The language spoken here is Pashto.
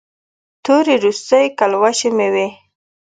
تورې روسۍ کلوشې مې وې.